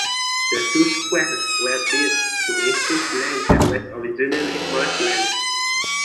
The two squares were built to improve land that was originally marshland.